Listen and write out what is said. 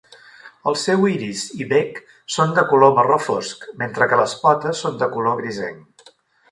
El seu iris i bec són de color marró fosc mentre que les potes són de color grisenc.